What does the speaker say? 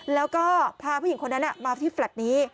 แล้วก็พาผู้หญิงคนนั้นมาที่แลต์นี้